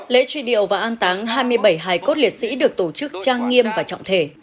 lễ truy điệu và an táng hai mươi bảy hải cốt liệt sĩ được tổ chức trang nghiêm và trọng thể